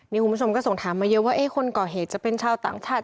นี่คุณผู้ชมก็ส่งถามมาเยอะว่าคนก่อเหตุจะเป็นชาวต่างชาติ